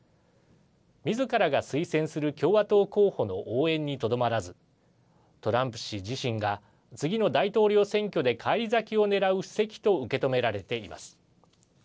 みずからが推薦する共和党候補の応援にとどまらずトランプ氏自身が次の大統領選挙で返り咲きをねらう布石と受け止められています。